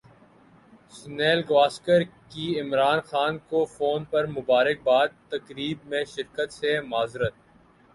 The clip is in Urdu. سنیل گواسکر کی عمران خان کو فون پر مبارکبادتقریب میں شرکت سے معذرت